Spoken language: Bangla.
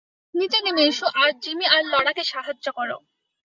নিচে নেমে এসো আর জিমি আর লড়াকে সাহায্য কর।